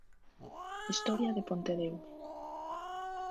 Historia de Pontedeume